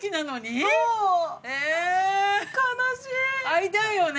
会いたいよね！